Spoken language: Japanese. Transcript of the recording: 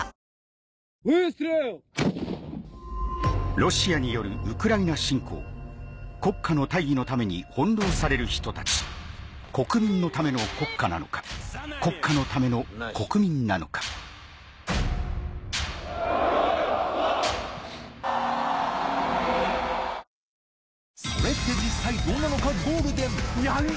ロシアによるウクライナ侵攻国家の大義のために翻弄される人たち国民のための国家なのか国家のための国民なのか忙しくなるほどはい！